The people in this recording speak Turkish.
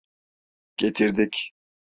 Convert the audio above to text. Getirdik.